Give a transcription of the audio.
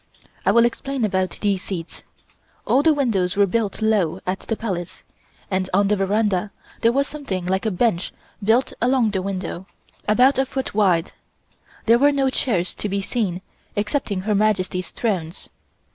I will explain about these seats. All the windows were built low at the Palace, and on the veranda there was something like a bench built along the window, about a foot wide. There were no chairs to be seen excepting Her Majesty's thrones.